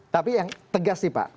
tapi yang tegas sih pak